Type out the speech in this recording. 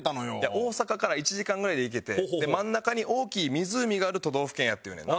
大阪から１時間ぐらいで行けて真ん中に大きい湖がある都道府県やって言うねんな。